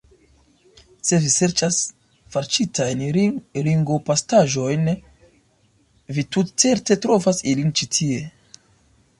Se vi serĉas farĉitajn ringo-pastaĵojn, vi tutcerte trovos ilin ĉi tie!